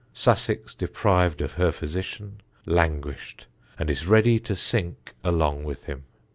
Sussex deprived of her physician, languished, and is ready to sink along with him.